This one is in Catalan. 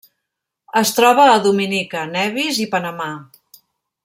Es troba a Dominica, Nevis i Panamà.